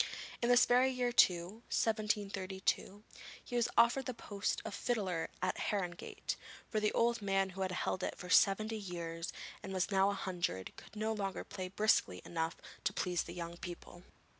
In this very year too, 1732, he was offered the post of fiddler at Harrogate, for the old man who had held it for seventy years, and was now a hundred, could no longer play briskly enough to please the young people.